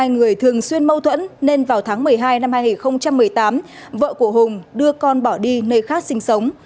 hai người thường xuyên mâu thuẫn nên vào tháng một mươi hai năm hai nghìn một mươi tám vợ của hùng đưa con bỏ đi nơi khác sinh sống